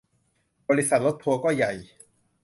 บริษัทรถทัวร์ก็ใหญ่